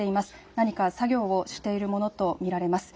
何か作業をしているものと見られます。